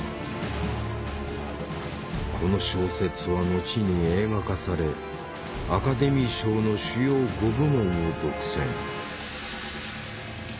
この小説は後に映画化されアカデミー賞の主要５部門を独占。